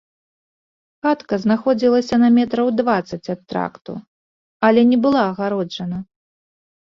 Хатка знаходзілася на метраў дваццаць ад тракту, але не была адгароджана.